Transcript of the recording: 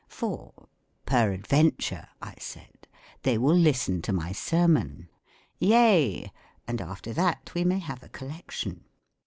For peradventure I said, they will listen to my sermon ; yea, and after that we may have a collec tion.